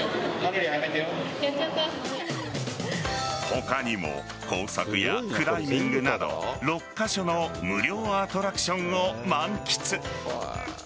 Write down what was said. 他にも工作やクライミングなど６カ所の無料アトラクションを満喫。